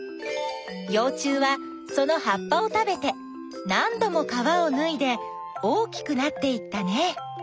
よう虫はそのはっぱを食べてなんども皮をぬいで大きくなっていったね。